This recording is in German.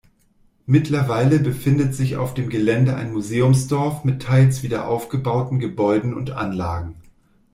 Mittlerweile befindet sich auf dem Gelände ein Museumsdorf mit teils wiederaufgebauten Gebäuden und Anlagen.